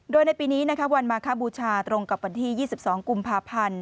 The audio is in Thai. โดยในปีนี้วันมาคบูชาตรงกับวันที่๒๒กุมภาพันธ์